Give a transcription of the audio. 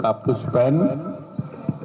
terima kasih pak kuntadi